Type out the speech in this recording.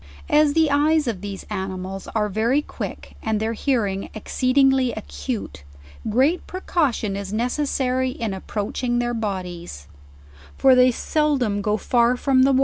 As the eyes of these animals are very quick and their hearing exceedingly acute, great precaution is necessary in approaching their bodies; for as they seldom go far from the LEWIS AND CLAKE.